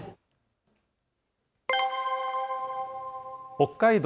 北海道